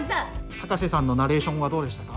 高瀬さんのナレーションはどうでしたか。